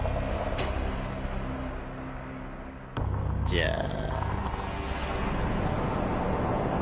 じゃあ。